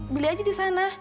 beli aja di sana